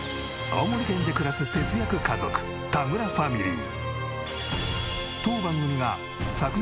青森県で暮らす田村ファミリー。